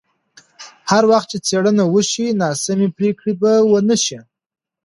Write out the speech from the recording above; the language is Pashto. هر وخت چې څېړنه وشي، ناسمې پرېکړې به ونه شي.